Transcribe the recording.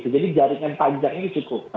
jadi jaringan panjangnya cukup